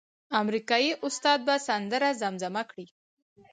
امریکایي استاد به سندره زمزمه کړي.